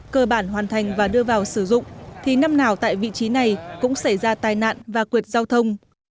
cơ bản hoàn thành và đưa vào sử dụng thì năm nào tại vị trí này cũng xảy ra tai nạn và quyệt giao thông